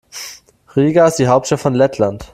Riga ist die Hauptstadt von Lettland.